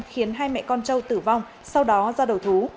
khiến hai mẹ con châu tử vong sau đó ra đầu thú